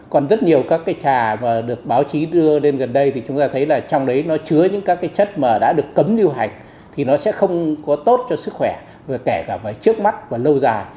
còn rất nhiều các cái trà mà được báo chí đưa lên gần đây thì chúng ta thấy là trong đấy nó chứa những các cái chất mà đã được cấm lưu hành thì nó sẽ không có tốt cho sức khỏe kể cả về trước mắt và lâu dài